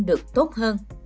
được tốt hơn